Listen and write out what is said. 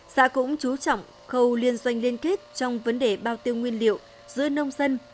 xã cũng chú trọng khâu liên doanh liên kết trong vấn đề bao tiêu nguyên liệu giữa nông dân